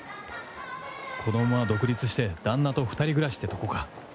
子どもは独立して旦那と２人暮らしってとこか。